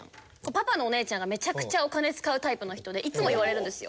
パパのおねえちゃんがめちゃくちゃお金使うタイプの人でいつも言われるんですよ。